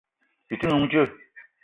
Bi te n'noung djeu?